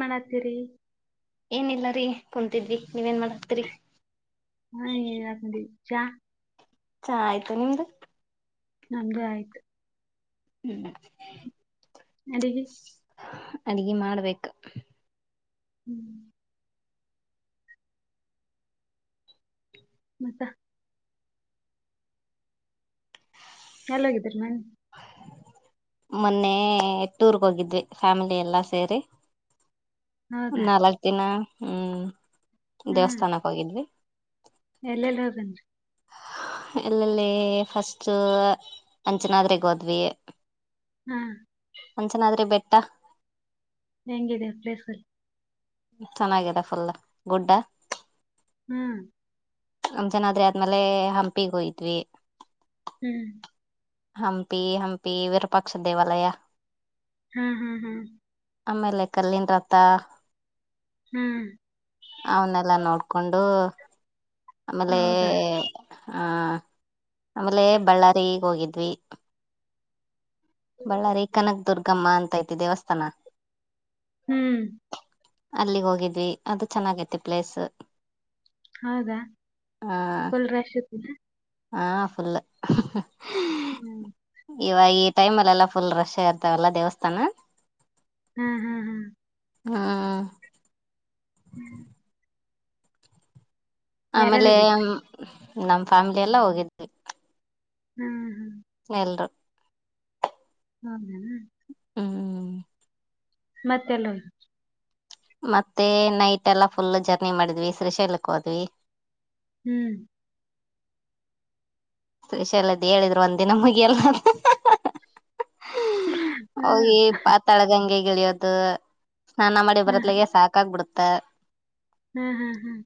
ಮನತ್ರಿ. [inaudible] ಏನಿಲ್ಲ, ರೀ, ಕುಂತಿದ್ವಿ. [inaudible] ಮಾಡಾಕ್ತಿರಿ ಹಾ ಹೇಳೆರ್ ನಡಿ [inaudible] ಚ್ಚಾ [inaudible] ಚಾ, ಆಯ್ತು, ನಿಮ್ದು. [inaudible] ನಂದು, ಆಯ್ತು. [inaudible] ಹ್ಮ್.. [inaudible] ಅಡಿಗೆ? [inaudible] ಅಡ್ಡಿಗೆ, ಮಾಡ್ಬೇಕು. [inaudible] ಹ್ಮ್... [inaudible] ಮತ್ತೆ. [inaudible] ಎಲ್ಲಿ ಹೋಗಿದ್ದೀರಿ, ನೆನ್ನೆ. [inaudible] ಮೊನ್ನೆ, ಟೂರ್ಗೆ ಹೋಗಿದ್ವಿ, ಫ್ಯಾಮಿಲಿ ಎಲ್ಲಾ ಸೇರಿ. ಹೌದಾ [inaudible] ನಲ್ಲಕುಡೇನ್ನ. [inaudible] ಹ್ಮ್.. [inaudible] ದೇವಸ್ಥಾನಕ್ಕೆ, ಹೋಗಿದ್ವಿ. [inaudible] ಏಳಿಯೇಲಿ, ಹೋಗನ್ರಿ. [inaudible] ಎಲ್ಲೆಲ್ಲಿ, ಫಸ್ಟ್, ಅಂಚುನಾಧಾರಿಗೆ, ಹೋದ್ವಿ. [inaudible] ಹ.. [inaudible] ಊಟ. [inaudible] ನನಗೆ, ಡೆಫ್ ಪ್ಲೇಸ್ ಕೊ. [inaudible] ಚೆನ್ನಾಗಿದೆ, ಫುಲ್, ಗುಡ್ಡ. [inaudible] ಹ್ಮ್.. [inaudible] ನಮ್, ಜನಾದ್ರೆ, ಆದ್ಮೇಲೆ, ಹಂಪಿಗೆ ಹೋಯಿದ್ವಿ. [inaudible] ಹ್ಮ್.. [inaudible] ಹಂಪಿ, ಹಂಪಿ, ವಿರಪಾಕ್ಷ, ದೇವಾಲಯ. [inaudible] ಹಹಹಾ. [inaudible] ಆಮೇಲೆ ಕಲ್ಲಿನ್ ರಥ. ಹ್ಮ್ [inaudible] ಅವನ್ನೆಲ್ಲಾ, ನೋಡ್ಕೊಂಡು. [inaudible] ಆಮೇಲೆ.. ಹೌದಾ [inaudible] ಹಾ, ಆಮೇಲೆ, ಬಳ್ಳಾರಿ, ಹೋಗಿದ್ದು. [inaudible] ವಿ.. [inaudible] ಬಳ್ಳಾರಿ, ಕನಕ್ ದುರ್ಗು. [inaudible] ಕ್ಕಮ್ಮ, ಅಂತ, ಐತಿ ದೇವಸ್ಥಾನ. [inaudible] ಹ್ಮ್.. [inaudible] ಅಲ್ಲಿಗ್ ಹೋಗಿದ್ವಿ ಅದು ಚೆನ್ನಾಗೈತೆ ಪ್ಲೇಸ್ ಹೌದ ಆ ಫುಲ್ ರಶ್ ಇತೇನ. ಹಾ ಫುಲ್ ಹ್ಮ್ ಇವಾಗ ಈ ಟೈಮ್ ಅಲ್ಲ ಎಲ್ಲಾ ಫುಲ್ ರಶ್ ಆ ಇರ್ತವಲ್ಲ ದೇವಸ್ಥಾನ ಹ್ಮ್ ಹ್ಮ್ ಹ್ಮ್ ಹಾ ಹ್ಮ್ ಯಾರ್ಯಾರ್ ಅಮೇಲೆ ಹೋಗಿದ್ರಿ ನಮ್ ಫಾರ್ಮ್ಗೆಲ್ಲ ಎಲ್ಲ ಹೋಗಿದ್ವಿ ಹ್ಮ್, ಹ್ಮ್. [inaudible] ಎಲ್ರು... [inaudible] ಹೌದೇನು [inaudible] ಮತ್ತೆಲ್ಲ. ಮತ್ತೆ ನೈಟ್ ಎಲ್ಲಾ ಫುಲ್ ಜರ್ನಿ ಮಾಡಿದ್ವಿ ಶ್ರೀಶೈಲಕ್ಕೆ ಹೋದ್ವಿ. ಹ್ಮ್ ಶೀಶಲದ ಹೇಳಿದ್ರು ಒಂದ ದಿನ ಮುಗಿಯಲ್ಲ ಹಾ ಹೋಗಿ ಪಾತಾಳ ಗಂಗೆಗೆ ಯದು ಸ್ನಾನ ಮಾಡಿ ಬರತ್ಲಗೆ ಸಾಕ ಆಗ್ಬಿಡುತ್ತೆ ತ್ತೆ ಹಾಂ ಹಾಂ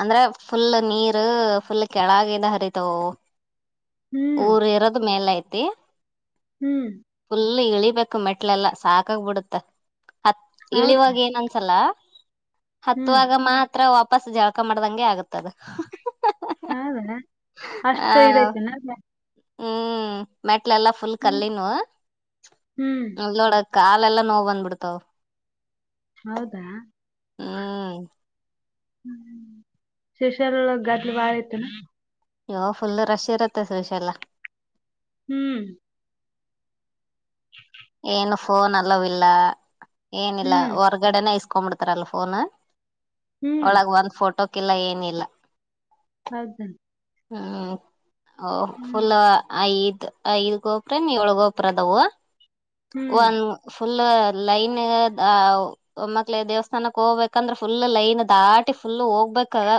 ಅಂದ್ರೆ ಫುಲ್ ನೀರ್ ಫುಲ್ ಕೆಳಗಿದ ಹರಿತವು ಹ್ಮ್ ಊರ್ ಇರೋದ್ ಮೇಲೆ ಐತ್ [unintelligible] ಹ್ಮ್ ಎ ಇಳಿಬೇಕು ಮೆಟ್ಲೆಲ್ಲಾ ಸಾಕಾಗ ಬಿಡುತ್ತೆ ಅತ್ ಹೌದಾ ಇಳಿವಾಗ ಏನ ಅನ್ಸಲ ಹ್ಮ್ ಹತ್ತುವಾಗ ಮಾತ್ರ ಬಸ್ ಪಕ್ಕ ಮಾಡ್ದಂಗೆ ಆಗತದ ಹೌದ ಅಷ್ಟು ಇದೈತನ ಹ್ಮ್ ಮ ಫುಲ್ ಕಲ್ಲಿನು ಹ್ಮ್ ನೋಡದು ಕಾಲೆಲ್ಲಾ ನೋವು ಬಂದ್ಬಿಡ್ತಾವು ಹೌದ ಹ್ಮ್ ಶೇಷರ್ಳ ಗಾದ್ಲು ಬಾಳ ಐತ ಅಯೋ ಫುಲ್ ರಶ್ ಇರುತ್ತೆ ಶ್ರೀಶೈಲ ಹ್ಮ್ [inaudible] ಏನು ಫೋನ್ ಅಲ್ಲವಲ್ಲ ಏನಿಲ್ಲ ಹ್ಮ್ ಹೊರ್ಗಡೆನ ಕಂಬಿಡ್ತರಲ್ಲ ಫೋನು ಹ್ಮ್ ಒಳಗ್ ಒಂದ್ ಫೋಟೋ ಹಾಕಿಲ್ಲ ಏನಿಲ್ಲ ಹೌದ ಹಾ ಓಹೋ ಫುಲ್ ಐದು ಗೋಪುರನ್ ಏಳು ಗೋಪು ಅದವು ಹ್ಮ್ ಒನ್ ಫುಲ್ ಲೈನ್ ಅ ಒಮ್ಮಕ್ಳ ದೇವಸ್ಥಾನಕ್ ಹೋಗ್ಬೇಕಂದ್ರೆ ಫುಲ್ ಲೈನ್ ದಾಟಿ ಫುಲ್ ಹೋಗ್ಬೇಕಾಗ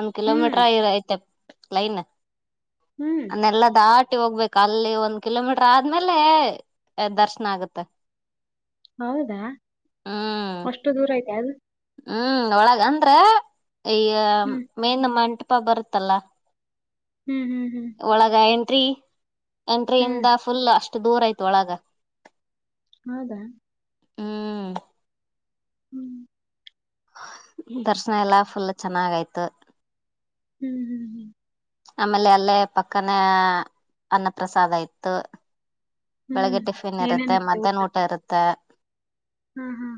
ಒಂದ್ ಹ್ಮ್ ಕಿಲೋಮೀಟರ್ ಆಎದ್ ಐತೆಪ್ ಲೈನ್ ಹ್ಮ್ ಅದನ್ನೆಲ್ಲ ದಾಟ್ ಒಂಟಿ, ಹೋಗ್ಬೇಕು! ಅಲ್ಲಿ ಒಂದ್ ಕಿಲೋಮೀಟರ್, ಆದ್ಮೇಲೆ,.. ದರ್ಶನ ಆಗುತೆ. ಹೌದಾ, ಅಷ್ಟು ದೂರ ಐತಿ ಅದ ಹ್ಮ್, ಒಳಗ ಅಂದ್ರ ಅಯ್ಯ ಹ್ಮ್ ಮೇನ್ ಮಂಟ ಅಪ್ಪ, ಬರುತ್ತಲ್ಲ. ಹ್ಮ್ ಹ್ಮ್ ಹ್ಮ್ ಒಳಗ, ಎಂಟ ಟ್ರೀ ಹ್ಮ್ ಎಂಟ್ರಿಯಿಂದ, ಫುಲ್ ಅಷ ಅಷ್ಟು, ದೂರ ಆಯ್ತ ಒಳಗ ಹೌದಾ ಹ್ಮ್ ಹ್ಮ್ ದರ್ಶನ ಎಲ್ಲ ಫುಲ್ ಚೆನ್ನಾಗಯ್ತು ಹ್ಮ್ ಹ್ಮ್ ಹ್ಮ್ ಆಮೇಲೆ ಅಲ್ಲೇ ಪಕ್ಕನೆ ಅನ್ನ ಪ್ರಸಾದ ಇತ್ತು ಹ್ಮ್ ಬೆಳಿಗ್ಗೆ ಟಿಫಿನ್ ಇರುತ್ತೆ ಮಧ್ಯಾಹ್ನ ಊಟ ಇರುತ್ತೆ ಹ್ಮ್ ಹ್ಮ್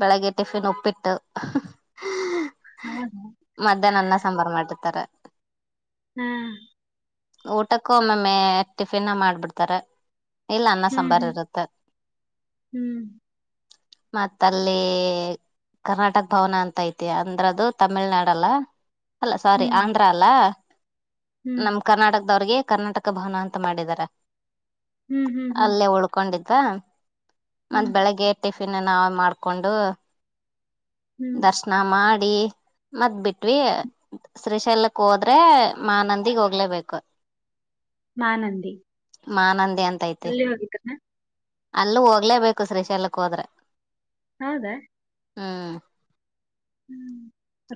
ಬೆಳಗೆ ಟಿಫಿನ್ ಉಪ್ಪಿಟ್ಟು [unintelligible] ಹೌದಾ? ಮಧ್ಯಾಹ್ನ ಅನ್ನ ಸಾಂಬಾರ್ ಮಾಡಿರ್ತಾರೆ ಹ್ಮ್ ಊಟಕ್ಕ ಒಮ್ಮಮ್ಮೆ ಟಿಫಿನ್ ಮಾಡ್ಬಿಡ್ತಾರ. ಇಲ್ಲ ಅನ್ನ ಹ್ಮ್ ಸಾಂಬಾರು ಹ್ಮ್ ಇರುತ್ತ. ಹ್ಮ್ ಮತ್ತು ಅಲ್ಲಿ ಕರ್ನಾಟಕ ಭವನ ಅಂತ ಐತಿ ಅಂದ್ರೆ ಅದು ತಮಿಳ್ ನಾಡು ಅಲ್ಲ ಅಲ್ಲ ಸಾರೀ ಹ್ಮ್ ಆಂಧ್ರ ಅಲ್ಲ ಹ್ಮ್ ನಮ ಕರ್ನಾಟಕದವ್ರಿಗೆ ಕರ್ನಾಟಕ ಭವನ ಅಂತ ಮಾಡಿದಿದ್ದಾರೆ ಹ್ಮ್ ಹ್ಮ್ ಹ್ಮ್ ಅಲ್ಲೇ ಉಳ್ಕೊಂಡಿದ್ದೆ ಅಂತಾ ಮತ್ ಹ್ಮ್ ಬೆಳಗೆದ್ದಿ ಟಿಫಿ ಪಿನ್ ನಾವೇ ಮಾಡ್ಕೊಂಡು ಹ್ಮ್ ದರ್ಶನ ಮಾಡಿ [unintelligible] ಮರತ್ ಬಿಟ್ವಿ ಶ್ರೀಶೈಲ್ಕ್ ಹೋದ್ರೆ ಮಾ ನಂದಿಗ್ ಹೋಗ್ಲೇಬೇಕು ಮಾನಂದಿ ಮಾನಂದ ಎಲ್ಲಿ ಹೋಗತಏನು ಅಲ್ಲೂ ಹೋಗ್ಲೇಬೇಕು ಶ್ರೀಶ ಎಲಕ್ ಹೋದ್ರೆ ಹೌದಾ ಹ್ಮ್ ಹ್ಮ್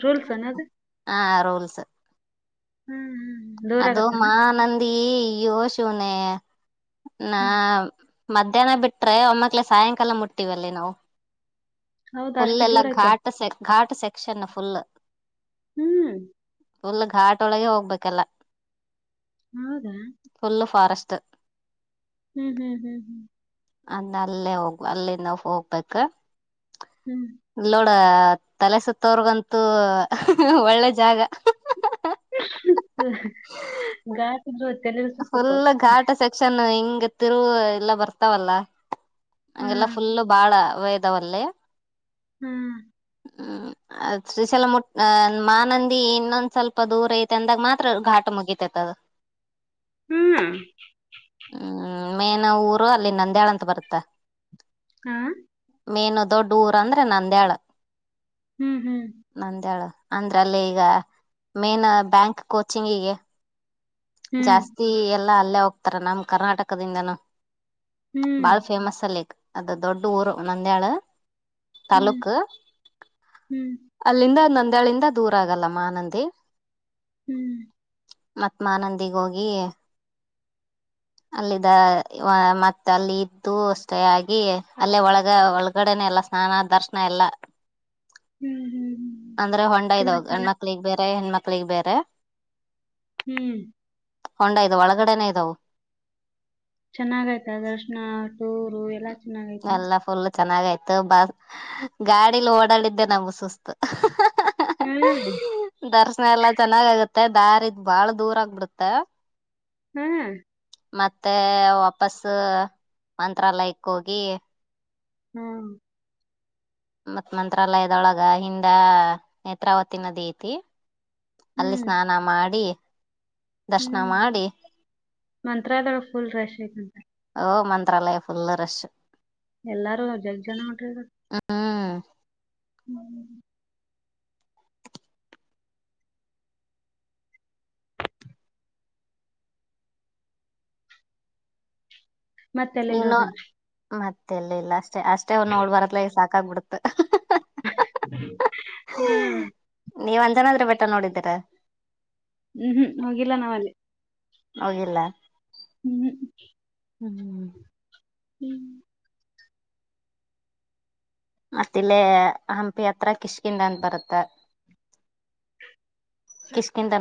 ರೂಲ್ಸ್ ಅಏನ್ನದು ಆ ರೂಲ್ಸ್ ಹ್ಮ್ ಹ್ಮ್ ದೂರ ಅದೋ ಆಗತ್ತನ ಮಾನಂದಿ ಏ ಯೋ ಶುನ ನಾ ಹ್ಮ್ ಮಧ್ಯಾಹ್ನ ಬಿಟ್ರೆ ಒಮ್ಮಕ್ಳೇ ಸಾಯಂಕಾಲ ಮುಟ್ಟತೀವಲ್ಲಿ ನಾವು ಹೌದಾ ಫುಲ್ ಅಷ್ಟು ಎಲ್ಲಾ ದೂರ ಐತೆ ಘಾಟ್ ಸ ಘಾಟ್ ಸೆಕ್ಷನ್ ಫುಲ್ ಹ್ಮ್ ಫುಲ್ ಘಾಟೊಳಗೆ ಹೋಗ್ಬೇಕಲ್ಲ ಹೌದಾ ಫುಲ್ ಫಾರೆಸ್ಟ್ ಹ್ಮ್ ಹ್ಮ್ ಹ್ಮ್ ಹ್ಮ್ ಅಂದ ಅಲ್ಲೇ ಹೋಗ್ ಅಲ್ಲಿಂದ ಹೋಗ್ಬೇಕ ಹ್ಮ್ ತಲೆಸುತ್ತವರ್ಗಂತೂ ಒಳ್ಳೆ ಜಾಗ ಗಾಟ ಜ ಫುಲ್ ಗೇಟ್ ಸೆಕ್ಷನ್ ಹಿಂಗ ಗತ್ತಿರು ಎಲ್ಲ ಬರ್ತಾವಲ್ಲ ಹಂಗೆಲ್ಲಾ ಹ್ಮ್ ಫುಲ್ಲು ಬಾಳವ [unintelligible] ಾವಲ್ಲಯ ಹ್ಮ್ ಹ್ಮ್ ಅದಶಲ ಮುಟ್ ಮಾನಂದಿ ಇನ್ನೊಂದ್ ಸ್ವಲ್ಪ ದೂರ ಐತೆ ಅಂದಾಗ ಮಾತ್ರ ಘಾಟ ಮುಗಿತೈತ್ ಅದು ಹ್ಮ್ ಹ್ಮ್ ಮೇನ್ ಊರು ಅಲ್ಲಿ ನಂದ್ಯಾಾಳ್ ಅಂತ ಬರುತ್ತ ಹ್ಮ ಮೇನ್ ದೊಡ್ಡ ಊರ ಅಂದ್ರೆ ನಂದ್ಯಾಾಳ ಹ್ಮ್ ಹ್ಮ್ ನಂದ್ಯಾಳ ಅಂದ್ರ ಅಲ್ಲಿ ಈಗ ಮೇನ್ ಬ್ಯಾಂಕ್ ಕೋಚಿಂಗ್ಗೆ ಹ್ಮ್ ಜಾಸ್ತಿ ಎ ಅಲ್ಲ ಅಲ್ಲ ಹರ ನಮ ಕರ್ನಾಟಕದಿಂದನ ಹ್ಮ್ ಬಾಳ್ ಫೇಮಸ್ ಲೇಕ್ ಅದು ದೊಡ್ಡ ಊರು ನಂದ್ಯಾಳು ತಾಲೂಕ್ ಹ್ಮ್ ಹ್ಮ್ ಅಲ್ಲಿಂದ ನಂದು ಇದಳಿಂದ ದೂರ ಆಗಲ್ಲ ಮಾನಂದಿ ಹ್ಮ್ ಮತ್ ಮಾನಂದಿಗ್ ಹೋಗಿ ಅಲ್ಲಿಿದ್ದ ಮತ್ತೆ ಅಲ್ಲಿ ಇದ್ದು ಅಷ್ಟೇ ಆಗಿ ಅಲ್ಲೇ ಒಳಗ ಒಳಗಡೆನೆೇ ಎಲ್ಲ ಸ್ನಾನ ದರ್ಶನ ಎಲ್ಲ ಹ್ಮ್ ಹ್ಮ್ ಹ್ಮ್ ಅಂದ್ರೆ ಹೊಂಡ ಇದಾವ ಚೆನ್ನಾಗ್ ಚೆನ್ನಾಗ್ ಗಣ್ಮಕ್ಳಗ್ ಬೇರೆ ಮತ್ತ ಹೆಣ್ಮಕ್ಳಿಗೆ ಬೇರೆ ಹ್ಮ್ ಒೊಂಡ್ು ಒಳಗಡೆನೆ್ ದ ಚೆನ್ನಾಗ ಆಯ್ತಾ ಕೃಷ್ಣ ಟೂರು ಎ ಎಲ್ಲ ಫುಲ್ ಚೆನ್ನಾಗಯ್ತು ಬ ಗಾಡಿಲಿ ಓಡಾಡಿದ್ದೆ ನಂಬ ಸುಸ್ತು ಹ್ಮ್ ದರ್ಶನ ಎಲ್ಲ ಚೆನ್ನಾಗ ಆಗುತ್ತೆ ಮತ್ತೆ ದಾರಿದ್ ಬಾಳ ದೂರ ಆಗ್ಬಿಡತ್ತ ಹ್ಮ್ ಮತ್ತೆ ವಾಪಸ ಮಂತ್ರತ್ರಾಲಯಕ್ ಹೋಗಿ ಹ್ಮ ಮತ್ತ್ ಮಂತ್ರಾಲಯದೊಳಗ ಹಿಂದ ನೇತ್ರಾವತಿ ನದಿ ಐತಿ ಅಲ್ಲಿ ಹ್ಮ್ ಸ್ನಾನ ಮಾಡಿ ದರ್ಶನ ಮಾಡಿ ಮಂತ್ರಾದಳ ಫುಲ್ ರೆಶ್ ಐತಂತ ಮಂತ್ರಾಲಯ ಫುಲ್ ರಶು ಎಲ್ಲಾರು ಜಗ್ ಜಣ ಹೊಟ್ರ ಹ ಮತ್ತೆಲ್ಲೆಲ್ಲಿ ಹದಣ ಮೆಲ್ಲ ಇಲ್ಲ ಅಷ್ಟ ಅಷ್ಟೇ ಒನೋಡ್ ಬರತ್ತಲ ಈ ಸಾಕು ಹಡ್ತ ಹ್ಮ ನೀವ್ ಅಂದ್ಜನ ಆದ್ರೆ ಬೆಟ್ಟ ನೋಡಿದ್ದೀರ ಹ್ಮ್ ಹ್ಮ್ ಹೋಗಿಲ್ಲ ನಾವಲ್ಲಿ ಹೋಗಿಲ್ಲ ಹ್ಮ್ ಹ್ಮ್ ಹ್ಮ್ ಮತ್ತ ಇಲ್ಲೇ ಹಂಪಿ ಹತ್ರ ಕಿಶ್ಕಿಂದ ಅಂತ ಬರುತ್ತ ಕಿಸಕಿಂದ ನ